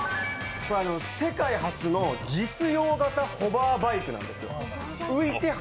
世界初の実用型ホバーバイクなんです。